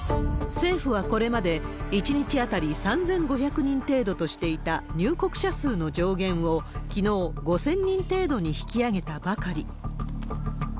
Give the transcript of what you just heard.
政府はこれまで、１日当たり３５００人程度としていた入国者数の上限をきのう、５０００人程度に引き上げたばかり。